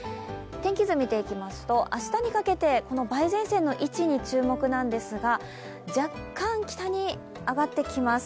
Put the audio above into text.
天気図を見ていきますと、明日にかけて、梅雨前線の位置に注目なんですが、若干北に上がってきます。